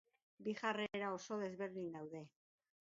Bi jarrera oso desberdin daude.